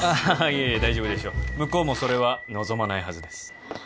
いやいや大丈夫でしょう向こうもそれは望まないはずです